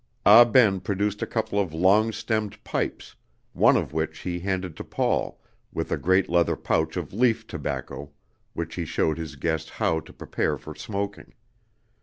Ah Ben produced a couple of long stemmed pipes, one of which he handed to Paul, with a great leather pouch of leaf tobacco which he showed his guest how to prepare for smoking.